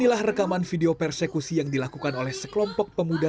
inilah rekaman video persekusi yang dilakukan oleh sekelompok pemuda